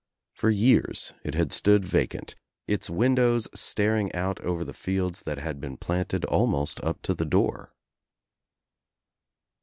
For years ir had stood vacant, its windows staring out over the fields that had been planted almost up to the door.